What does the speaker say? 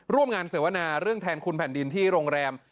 ร่วมงานเสวนาเรื่องแทนคุณแผ่นดินที่โรงแรม